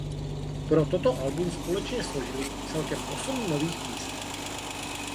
Pro toto album společně složili celkem osm nových písní.